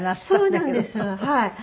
そうなんですはい。